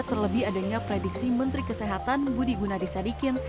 terlebih adanya prediksi menteri kesehatan budi gunadisadikin